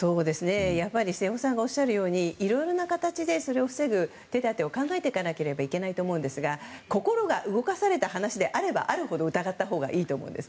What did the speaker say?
瀬尾さんがおっしゃるようにいろいろな形でそれを防ぐ手立てを考えていかなければいけないと思うんですが心が動かされた話であればあるほど疑ったほうがいいと思います。